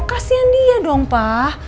kasian dia dong pa